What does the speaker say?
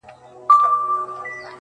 دا بېچاره به ښـايــي مــړ وي,